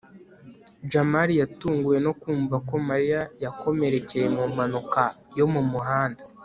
jamali yatunguwe no kumva ko mariya yakomerekeye mu mpanuka yo mu muhanda